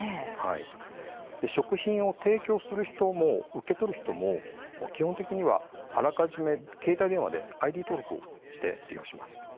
食品を提供する人も受け取る人も基本的にはあらかじめ携帯電話でＩＤ登録をして利用します。